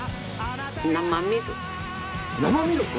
生ミルク？